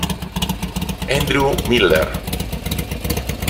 Andrew Miller